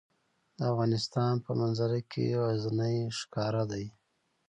د افغانستان په منظره کې غزني ښکاره ده.